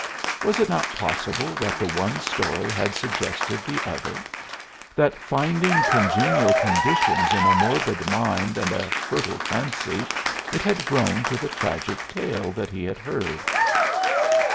Was it not possible that the one story had suggested the other that finding congenial conditions in a morbid mind and a fertile fancy, it had grown to the tragic tale that he had heard?